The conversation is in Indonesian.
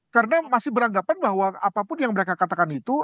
karena masih beranggapan bahwa apapun yang mereka katakan itu